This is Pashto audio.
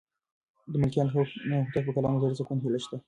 د ملکیار هوتک په کلام کې د زړه د سکون هیله شته.